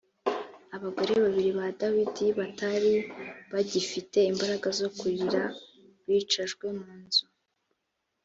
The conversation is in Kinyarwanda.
abagore babiri ba dawidi batari bagifite imbaraga zo kurira bicajwe mu nzu